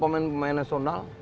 banyak itu pemain nasional